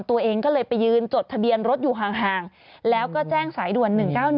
ตัวเองก็เลยไปยืนจดทะเบียนรถอยู่ห่างแล้วก็แจ้งสายด่วน๑๙๑